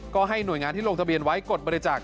ก็ให้หน่วยงานที่ลงทะเบียนไว้กดบริจาค